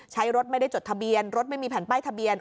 ใช้รถไม่ได้จดทะเบียนรถไม่มีแผ่นป้ายทะเบียน